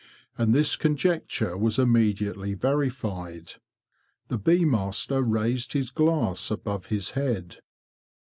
And this conjecture was immedi ately verified. The bee master raised his glass above his head.